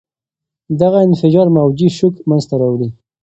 دغه انفجار موجي شوک منځته راوړي.